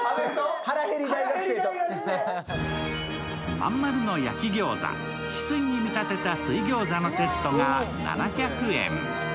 真ん丸の焼き餃子、ひすいに見立てた水餃子のセットが７００円。